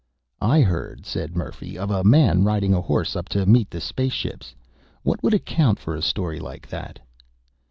"I heard," said Murphy, "of a man riding a horse up to meet the space ships. What would account for a story like that?"